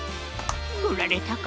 ふられたか。